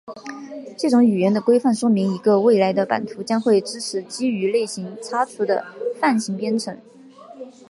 这种语言的规范说明一个未来的版本将会支持基于类型擦除的泛型编程。